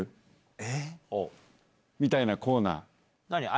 みたいなコーナー。